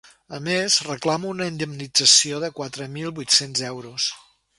A més, reclama una indemnització de quatre mil vuit-cents euros.